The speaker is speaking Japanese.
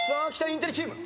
インテリチーム。